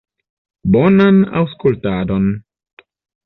Bonan aŭskultadon!